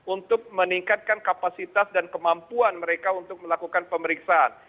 untuk meningkatkan kapasitas dan kemampuan mereka untuk melakukan pemeriksaan